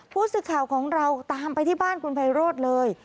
ผู้สื่อข่าวของเราตามไปที่บ้านคุณไพโรธเลย